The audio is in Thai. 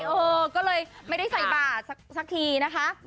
เออก็เลยไม่ได้ใส่บาทสักทีนะคะ